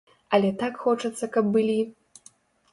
Але так хочацца, каб былі.